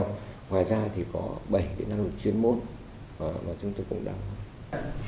ngoài ra thì có bảy cái năng lực chuyên môn mà chúng tôi cũng đảm bảo